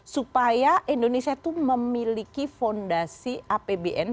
supaya indonesia itu memiliki fondasi apbn